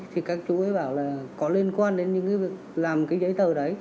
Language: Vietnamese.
thì các chủ ấy bảo là có liên quan đến những việc làm cái giấy tờ đấy